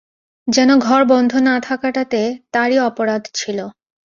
যেন ঘর বন্ধ না থাকাটাতে তারই অপরাধ ছিল।